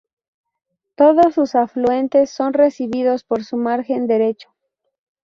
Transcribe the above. Todos sus afluentes son recibidos por su margen derecho.